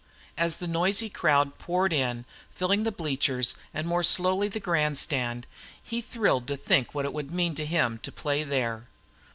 As the noisy crowd poured in, filling the bleachers, and more slowly the grandstand, he thrilled to think what it would mean to him to play there.